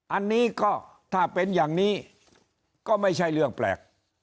อันนี้ก็ถ้าเป็นอย่างนี้ก็ไม่ใช่เรื่องแปลก